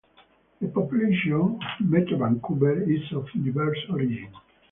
The population of Metro Vancouver is of diverse origin.